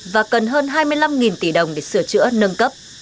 và cần hơn hai mươi năm tỷ đồng để sửa chữa nâng cấp